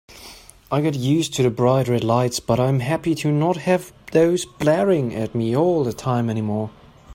I got used to the bright red lights, but I'm happy to not have those blaring at me all the time anymore.